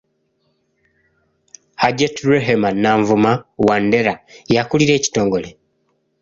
Hajati Rehemah Nanvuma Wandera, y'akulira ekitongole.